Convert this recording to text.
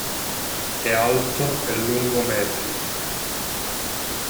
È alto e lungo metri.